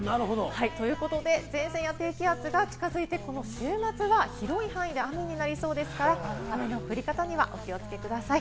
ということで前線や低気圧が近づいて、この週末は広い範囲で雨になりそうですから、雨の降り方にはお気をつけください。